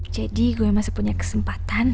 jadi gue masih punya kesempatan